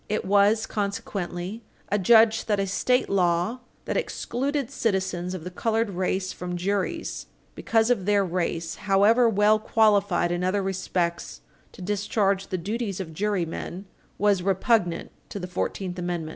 It was, consequently, adjudged that a state law that excluded citizens of the colored race from juries, because of their race and however well qualified in other respects to discharge the duties of jurymen, was repugnant to the Fourteenth Amendment.